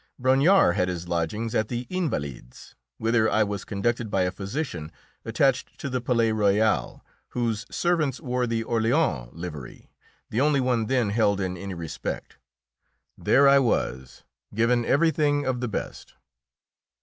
Brongniart had his lodgings at the Invalides, whither I was conducted by a physician attached to the Palais Royal, whose servants wore the Orléans livery, the only one then held in any respect. There I was given everything of the best.